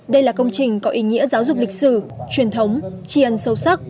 đây là công trình có ý nghĩa giáo dục lịch sử truyền thống tri ân sâu sắc